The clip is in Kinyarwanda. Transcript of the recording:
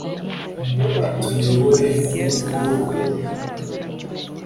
ngo atuyobore nkubwoko bwImana